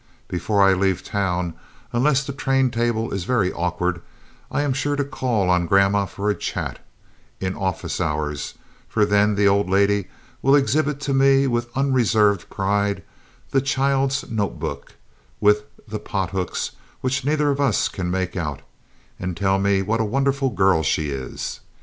Before I leave town, unless the train table is very awkward, I am sure to call on Grandma for a chat in office hours, for then the old lady will exhibit to me with unreserved pride "the child's" note book, with the pothooks which neither of us can make out, and tell me what a wonderful girl she is.